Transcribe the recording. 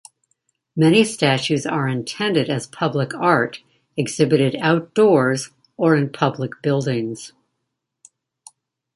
Many statues are intended as public art, exhibited outdoors or in public buildings.